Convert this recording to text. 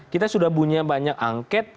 kita sudah punya banyak angket